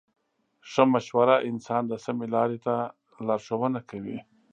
ښه مشوره انسان د سمې لارې ته لارښوونه کوي.